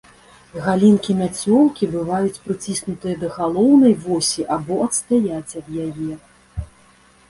Галінкі мяцёлкі бываюць прыціснутыя да галоўнай восі або адстаяць ад яе.